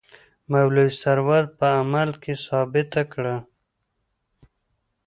مولوي سرور په عمل کې ثابته کړه.